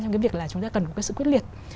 trong cái việc là chúng ta cần một cái sự quyết liệt